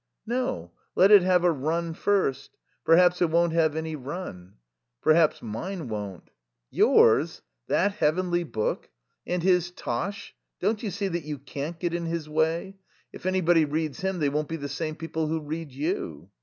"No, let it have a run first. Perhaps it won't have any run." "Perhaps mine won't." "Yours. That heavenly book? And his tosh Don't you see that you can't get in his way? If anybody reads him they won't be the same people who read you."